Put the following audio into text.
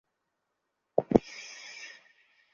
আমার জুতোয় অনেক বালি ঢুকে গেছে!